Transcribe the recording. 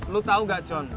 lo tau gak john